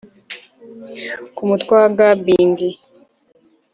kumutwe wa gabbing!